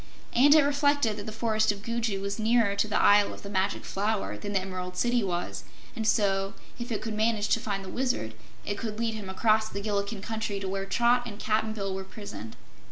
And it reflected that the Forest of Gugu was nearer to the Isle of the Magic Flower than the Emerald City was, and so, if it could manage to find the Wizard, it could lead him across the Gillikin Country to where Trot and Cap'n Bill were prisoned.